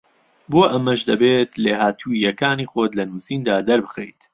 بۆ ئەمەش دەبێت لێهاتووییەکانی خۆت لە نووسیندا دەربخەیت